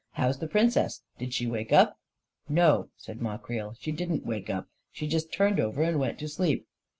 How is the Princess ? Did she wake up ?" "No," said Ma Creel; "she didn't wake up — she just turned over and went to sleep."